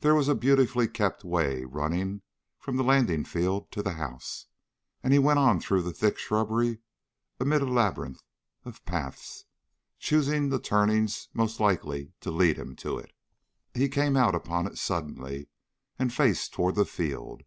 There was a beautifully kept way running from the landing field to the house, and he went on through the thick shrubbery amid a labyrinth of paths, choosing the turnings most likely to lead him to it. He came out upon it suddenly, and faced toward the field.